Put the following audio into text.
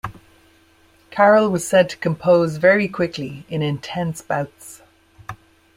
Caryll was said to compose very quickly in intense bouts.